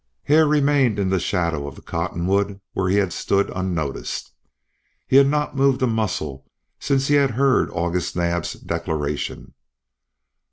Hare remained in the shadow of the cottonwood where he had stood unnoticed. He had not moved a muscle since he had heard August Naab's declaration.